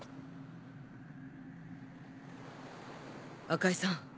赤井さん